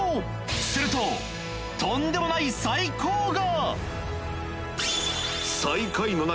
するととんでもない最高が！